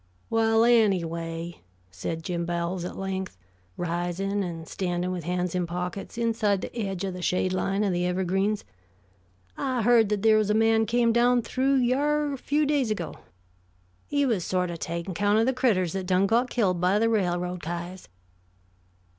"Well, anyway," said Jim Bowles at length, rising and standing with hands in pockets, inside the edge of the shade line of the evergreens, "I heard that there was a man came down through yere a few days ago. He was sort of taking count of the critters that done got killed by the railroad kyahs."